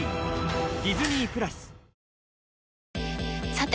さて！